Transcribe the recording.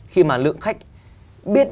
khi mà lượng khách biết